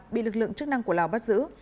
bị lực lượng chức năng của lào bắt giữ